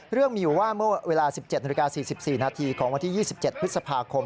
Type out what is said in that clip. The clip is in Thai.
เรื่องมีอยู่ว่าเมื่อเวลา๑๗นาฬิกา๔๔นาทีของวันที่๒๗พฤษภาคม